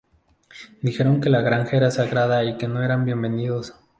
Dijeron que la granja era sagrada y que no eran bienvenidos.